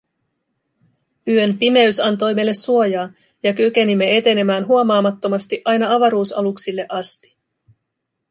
Yön pimeys antoi meille suojaa ja kykenimme etenemään huomaamattomasti aina avaruusaluksille asti.